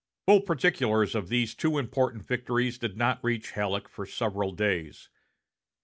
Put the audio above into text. Full particulars of these two important victories did not reach Halleck for several days.